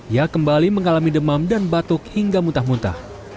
ia kembali mengalami demam dan batuk hingga muntah muntah